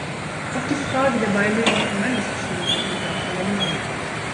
Auch die Frage der Beilegung von Meinungsverschiedenheiten bedarf einer Lösung.